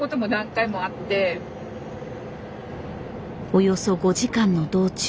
およそ５時間の道中。